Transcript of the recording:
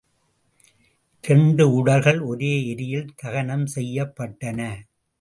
இரண்டு உடல்கள் ஒரே எரியில் தகனம் செய்யப் பட்டன.